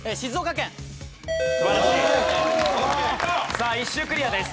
さあ１周クリアです。